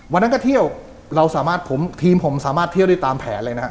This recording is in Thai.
วันนั้นก็เที่ยวเราสามารถผมทีมผมสามารถเที่ยวได้ตามแผนเลยนะฮะ